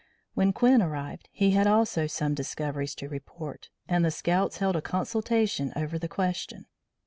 When Quinn arrived he had also some discoveries to report, and the scouts held a consultation over the question.